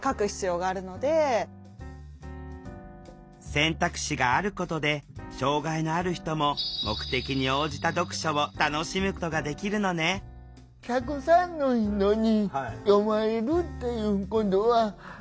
選択肢があることで障害のある人も目的に応じた読書を楽しむことができるのねなるほどね。